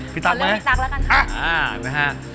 พี่ตั๊กไหม